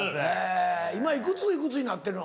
今いくついくつになってるの？